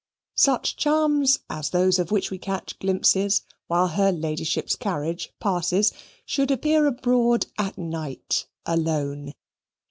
Such charms as those of which we catch glimpses while her ladyship's carriage passes should appear abroad at night alone.